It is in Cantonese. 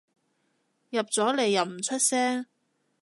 入咗嚟又唔出聲